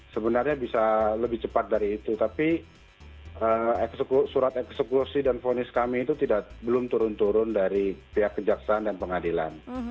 sebenarnya bisa lebih cepat dari itu tapi surat eksekusi dan fonis kami itu belum turun turun dari pihak kejaksaan dan pengadilan